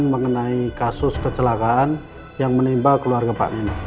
mengenai kasus kecelakaan yang menimba keluarga pak ini